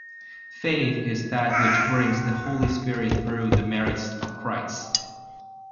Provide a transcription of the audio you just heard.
"Faith is that which brings the Holy Spirit through the merits of Christ".